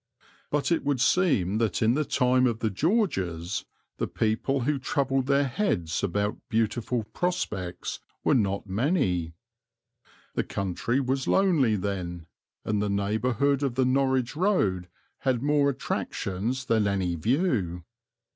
But it would seem that in the time of the Georges the people who troubled their heads about beautiful prospects were not many. The country was lonely then, and the neighbourhood of the Norwich road had more attractions than any view.